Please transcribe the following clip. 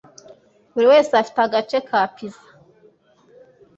Buri wese afite agace ka puzzle.